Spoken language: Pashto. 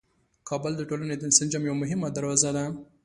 کابل د ټولنې د انسجام یوه مهمه دروازه ده.